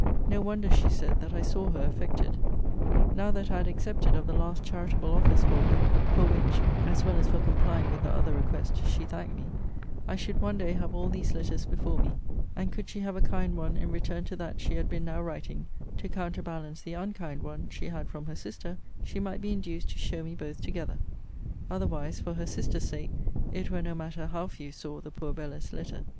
No wonder, she said, that I saw her affected. Now that I had accepted of the last charitable office for her, (for which, as well as for complying with her other request, she thanked me,) I should one day have all these letters before me: and could she have a kind one in return to that she had been now writing, to counterbalance the unkind one she had from her sister, she might be induced to show me both together otherwise, for her sister's sake, it were no matter how few saw the poor Bella's letter.